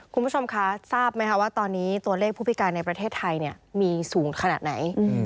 คุณผู้ชมคะทราบไหมคะว่าตอนนี้ตัวเลขผู้พิการในประเทศไทยมีสูงขนาดไหน